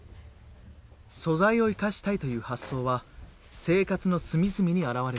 素材を生かしたいという発想は生活の隅々に表れています。